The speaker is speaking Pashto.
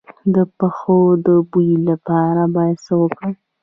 د پښو د بوی لپاره باید څه وکړم؟